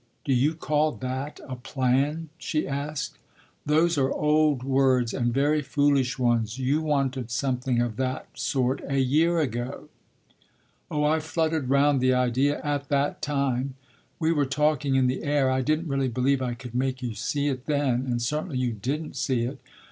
Do you call that a plan?" she asked. "Those are old words and very foolish ones you wanted something of that sort a year ago." "Oh I fluttered round the idea at that time; we were talking in the air. I didn't really believe I could make you see it then, and certainly you didn't see it.